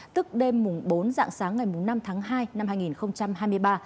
tức đêm mùng bốn dạng sáng ngày mùng năm tháng hai năm hai nghìn hai mươi ba